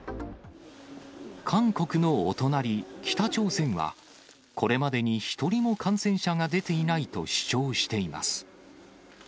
韓国のお隣、北朝鮮は、これまでに一人も感染者が出ていないと主張しています。